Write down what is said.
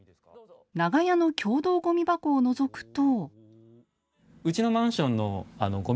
長屋の共同ごみ箱をのぞくと。